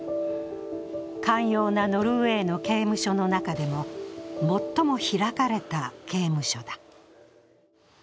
寛容なノルウェーの刑務所の中でも最も開かれた刑務所だ。